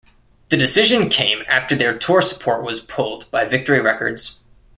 The decision came after their tour support was pulled by Victory Records.